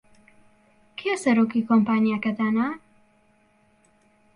کێ سەرۆکی کۆمپانیاکەتانە؟